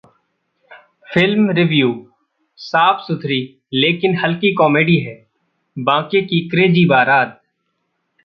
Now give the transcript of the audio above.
Film Review: साफ-सुथरी लेकिन हल्की कॉमेडी है 'बांके की क्रेजी बारात'